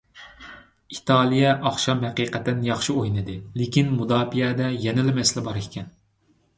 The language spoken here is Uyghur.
ئىتالىيە ئاخشام ھەقىقەتەن ياخشى ئوينىدى، لېكىن مۇداپىئەدە يەنىلا مەسىلە بار ئىكەن.